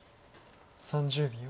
３０秒。